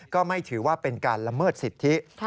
ก็ไม่ถือว่าเป็นการละเมิดสิทธิ